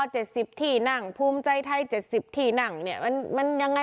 เจ็ดสิบที่นั่งภูมิใจไทยเจ็ดสิบที่นั่งเนี้ยมันมันยังไง